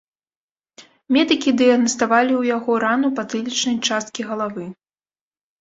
Медыкі дыягнаставалі ў яго рану патылічнай часткі галавы.